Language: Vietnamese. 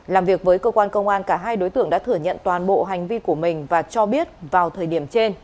làm việc với cơ quan công an cả hai đối tượng đã thừa nhận toàn bộ hành vi của mình và cho biết vào thời điểm trên